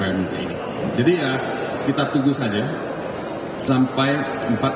walaupun namanya sri jokowi dalam persidangan sekretai ini pak